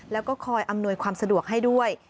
แล้วก็คอยอำนวยความสะดวกให้ด้วย